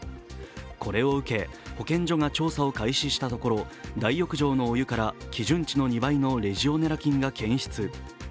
これを受け保健所が調査を開始したところ大浴場のお湯から基準値の２倍のレジオネラ菌が検出。